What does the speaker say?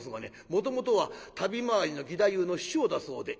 もともとは旅回りの義太夫の師匠だそうで」。